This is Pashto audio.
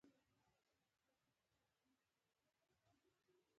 کلاسیک لېبرالېزم په غرب کې راڅرګند شو.